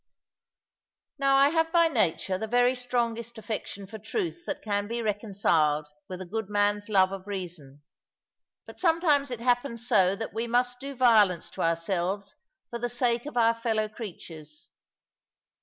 Now I have by nature the very strongest affection for truth that can be reconciled with a good man's love of reason. But sometimes it happens so that we must do violence to ourselves for the sake of our fellow creatures.